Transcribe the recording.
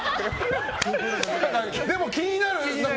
でも、気になるね。